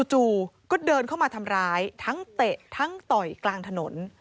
จู่ก็เดินเข้ามาทำร้ายทั้งเตะทั้งต่อยกลางถนน